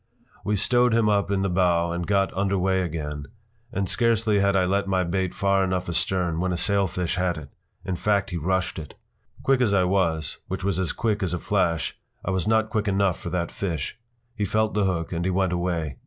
p> We stowed him up in the bow and got under way again, and scarcely had I let my bait far enough astern when a sailfish hit it. In fact, he rushed it. Quick as I was, which was as quick as a flash, I was not quick enough for that fish. He felt the hook and he went away.